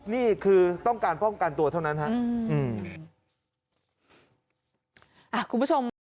นี่คือต้องการป้องกันตัวเท่านั้นครับ